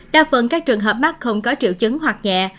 đa phần các trường hợp mắc không có triệu chứng hoặc nhẹ